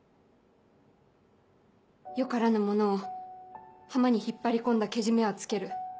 よからぬ者を浜に引っ張り込んだけじめはつける。